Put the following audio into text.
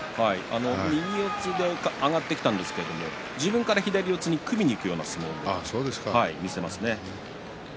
右四つで上がってきたんですけど自分から左四つに組みにいくような相撲があります。